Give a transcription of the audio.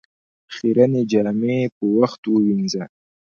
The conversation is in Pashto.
خيرنې جامې په وخت ووينځه